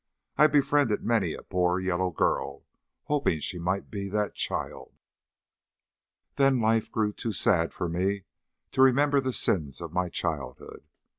I befriended many a poor yellow girl, hoping she might be that child. Then life grew too sad for me to remember the sins of my childhood.